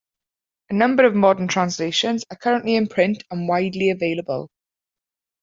A number of modern translations are currently in print and widely available.